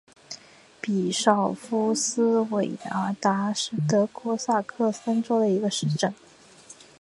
比绍夫斯韦尔达是德国萨克森州的一个市镇。